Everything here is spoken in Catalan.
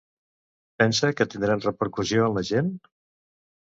Pensa que tindran repercussió en la gent?